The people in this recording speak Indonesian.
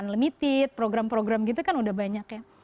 limited program program gitu kan udah banyak ya